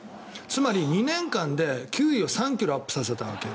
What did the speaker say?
つまり２年間で球威を３ｋｍアップさせたわけ。